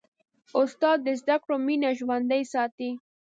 استاد د زدهکړو مینه ژوندۍ ساتي.